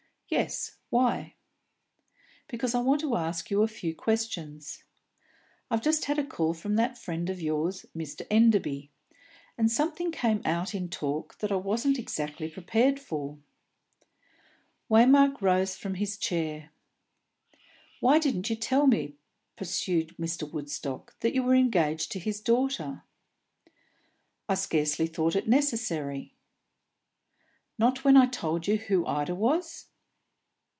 "Yes. Why?" "Because I want to ask you a few questions. I've just had a call from that friend of yours, Mr. Enderby, and something came out in talk that I wasn't exactly prepared for." Waymark rose from his chair. "Why didn't you tell me," pursued Mr. Woodstock, "that you were engaged to his daughter?" "I scarcely thought it necessary." "Not when I told you who Ida was?"